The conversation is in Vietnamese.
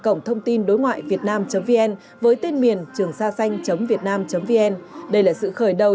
cổng thông tin đối ngoại vietnam vn với tên miền trườngsa xanh vietnam vn đây là sự khởi đầu